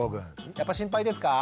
やっぱ心配ですか？